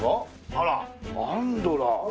あらアンドラ。